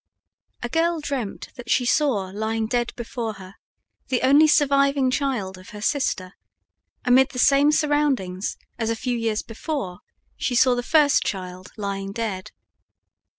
A girl dreamt that she saw lying dead before her the only surviving child of her sister amid the same surroundings as a few years before she saw the first child lying dead.